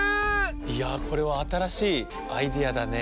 いやこれはあたらしいアイデアだね。